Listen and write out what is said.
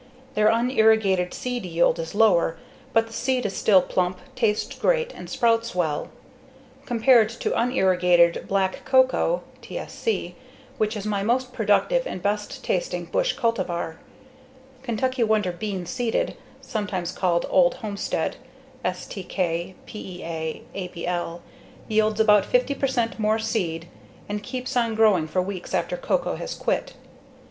Their unirrigated seed yield is lower, but the seed is still plump, tastes great, and sprouts well. Compared to unirrigated Black Coco (TSC), which is my most productive and best tasting bush cultivar, Kentucky Wonder Brown Seeded (sometimes called Old Homestead) (STK, PEA, ABL) yields about 50 percent more seed and keeps on growing for weeks after Coco has quit.